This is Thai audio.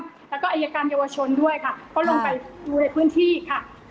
แล้วก็อายการเยาวชนด้วยค่ะเขาลงไปดูในพื้นที่ค่ะ